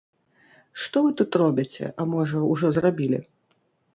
Што вы тут робіце, а можа, ужо зрабілі?